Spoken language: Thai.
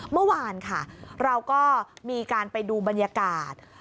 เมื่อวานค่ะเราก็มีการไปดูบรรยากาศ